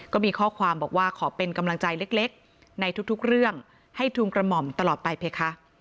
ก็มีข้อความบอกว่าขอเป็นกำลังใจเล็กในทุกเรื่องให้ทูลกระหม่อมตลอดไปเพคะ